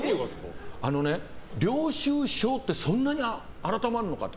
あのね、領収書ってそんなに改まるのかと。